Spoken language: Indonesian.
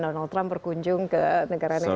donald trump berkunjung ke negara negara